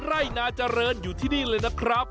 ไร่นาเจริญอยู่ที่นี่เลยนะครับ